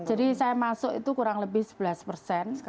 jadi saya masuk itu kurang lebih sebelas persen